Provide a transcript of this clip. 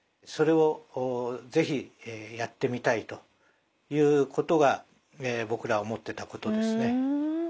それを是非やってみたいということが僕ら思ってたことですね。